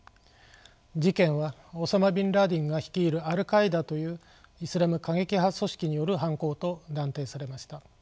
事件はオサマ・ビン・ラディンが率いるアルカイダというイスラム過激派組織による犯行と断定されました。